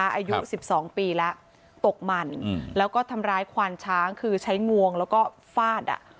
อายุสิบสองปีละตกมันอืมแล้วก็ทำร้ายควัญช้างคือใช้งวงแล้วก็ฟาดอ่ะ